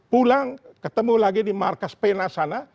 pulang ketemu lagi di markas pena sana